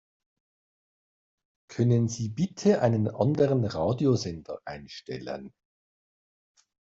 Können Sie bitte einen anderen Radiosender einstellen?